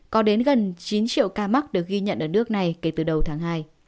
có đến gần chín triệu ca mắc được ghi nhận ở nước này kể từ đầu tháng hai